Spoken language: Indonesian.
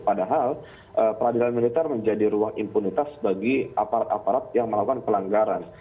padahal peradilan militer menjadi ruang impunitas bagi aparat aparat yang melakukan pelanggaran